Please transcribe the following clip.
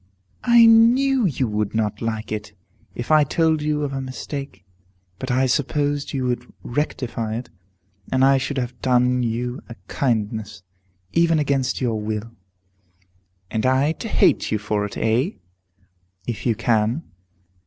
"I knew you would not like it, if I told you of a mistake. But I supposed you would rectify it, and I should have done you a kindness, even against your will." "And I to hate you for it, eh?" "If you can."